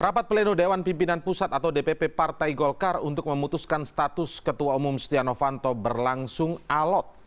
rapat pleno dewan pimpinan pusat atau dpp partai golkar untuk memutuskan status ketua umum setia novanto berlangsung alot